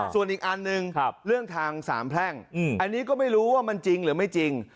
ส่วนอีกอันหนึ่งเรื่องทางสามแพร่งอันนี้ก็ไม่รู้ว่ามันจริงหรือไม่จริง